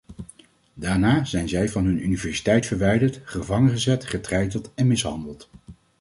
Daarna zijn zij van hun universiteit verwijderd, gevangengezet, getreiterd en mishandeld.